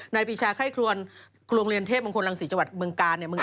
ปีชาไข้ครวนโรงเรียนเทพมงคลรังศรีจังหวัดเมืองกาล